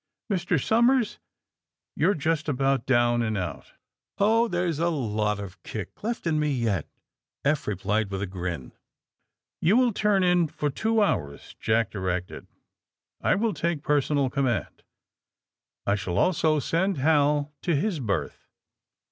Mr. Somers, you're just about down and out." ''Oh, there's a lot of kick left in me yet," Eph replied, with a grin. "You will turn in for two hours," Jack di rected, "I will take personal command. I shall also send Hal to his berth.